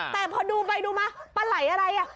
แต่พอดูไปดูมาปลายอะไรอ่ะ